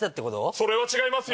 それは違いますよ。